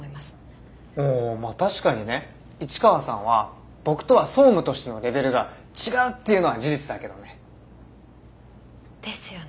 まあ確かにね市川さんは僕とは総務としてのレベルが違うっていうのは事実だけどね。ですよね。